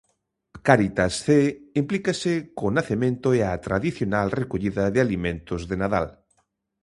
Cáritas Cee implícase co nacemento e a tradicional recollida de alimentos de Nadal.